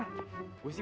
itu kan anak kecil